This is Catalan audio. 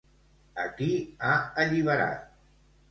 A qui ha alliberat?